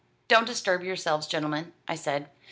'Don't disturb yourselves, gentlemen,' I said.